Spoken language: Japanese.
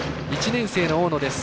１年生の大野です。